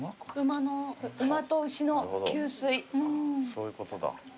そういうことだ。